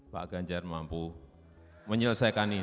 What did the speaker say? pak ganjar mampu menyelesaikan ini